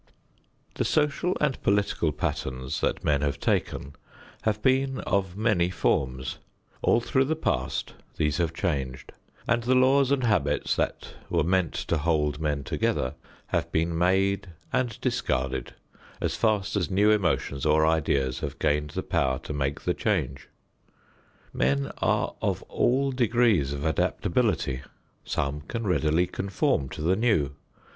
The social and political patterns that men have taken have been of many forms. All through the past these have changed, and the laws and habits that were meant to hold men together, have been made and discarded as fast as new emotions or ideas have gained the power to make the change. Men are of all degrees of adaptability. Some can readily conform to the new.